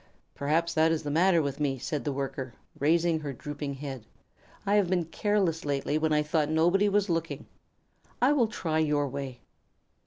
'" "Perhaps that is the matter with me," said the Worker, raising her drooping head. "I have been careless lately when I thought nobody was looking. I will try your way."